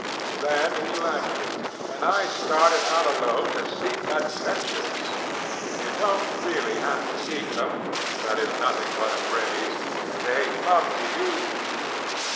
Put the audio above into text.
ŌĆØ Then he left me, and I started out alone to seek adventures. You donŌĆÖt really have to seek themŌĆöthat is nothing but a phraseŌĆöthey come to you.